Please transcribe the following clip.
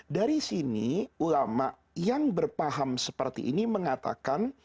dari sini ulama yang berpaham seperti ini mengatakan